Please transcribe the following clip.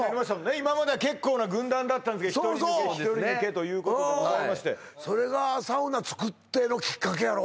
今までは結構な軍団だったんですけど１人抜け１人抜けということでございましてそれがサウナつくってのきっかけやろ？